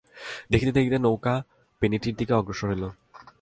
দেখিতে দেখিতে নৌকা পেনেটির দিকে অগ্রসর হইল।